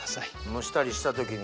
蒸したりした時に。